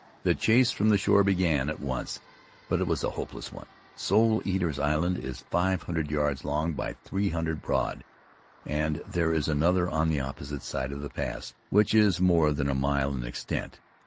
The chase from the shore began at once, but it was a hopeless one. Soul Eaters' Island is five hundred yards long by three hundred broad, and there is another, on the opposite side of the pass, which is more than a mile in extent.